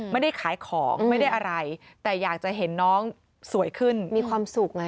ไม่ได้ขายของไม่ได้อะไรแต่อยากจะเห็นน้องสวยขึ้นมีความสุขไง